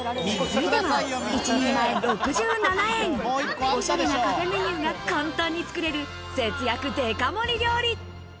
続いては、１人前６７円、おしゃれなカフェメニューが簡単に作れる節約デカ盛り料理。